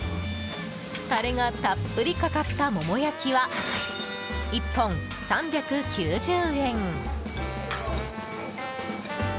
タレがたっぷりかかったもも焼きは、１本３９０円。